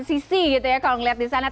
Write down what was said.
sisi gitu ya kalau ngeliat disana